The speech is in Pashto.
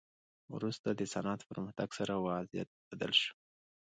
وروسته د صنعت پرمختګ سره وضعیت بدل شو.